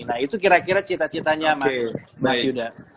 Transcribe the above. nah itu kira kira cita citanya mas yuda